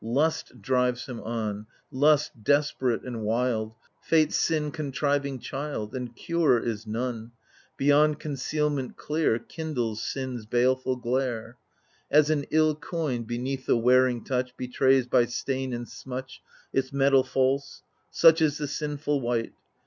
Lust drives him on — lust, desperate and wild. Fate's sin contriving child — And cure is none ; beyond concealment clear, Kindles sin's baleful glare. As an ill coin beneath the wearing touch Betrays by stain and smutch Its metaJ false — such is the sinful wight.